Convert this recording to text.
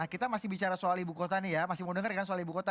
kita masih bicara soal ibu kota ini masih mendengar kan soal ibu kota